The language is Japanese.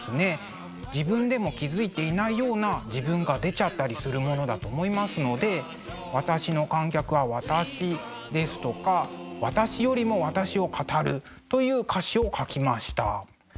自分でも気付いていないような自分が出ちゃったりするものだと思いますので「私の観客は私です」とか「私よりも私を語る」という歌詞を書きました。